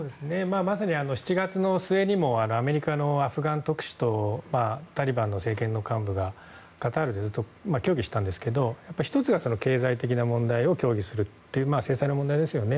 まさに７月末にもアメリカのアフガン特使とタリバンの政権幹部がカタールで協議したんですけど１つは経済的な問題を協議するという制裁の問題ですよね。